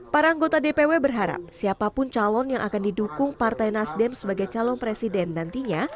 para anggota dpw berharap siapapun calon yang akan didukung partai nasdem sebagai calon presiden nantinya